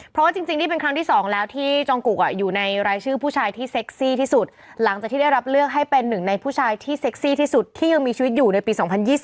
เพราะว่าจริงนี่เป็นครั้งที่๒แล้วที่จองกุกอยู่ในรายชื่อผู้ชายที่เซ็กซี่ที่สุดหลังจากที่ได้รับเลือกให้เป็นหนึ่งในผู้ชายที่เซ็กซี่ที่สุดที่ยังมีชีวิตอยู่ในปี๒๐๒๐